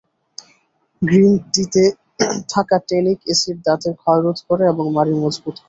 Green টিতে থাকা tannic acid দাঁতের ক্ষয়রোধ করে এবং মাড়ি মজবুত করে।